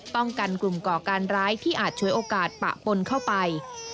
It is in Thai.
กันกลุ่มก่อการร้ายที่อาจฉวยโอกาสปะปนเข้าไป